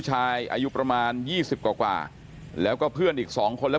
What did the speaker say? อายุประมาณยี่สิบกว่าแล้วก็เพื่อนอีกสองคนแล้ว